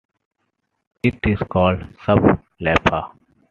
It is called Sub Leffa.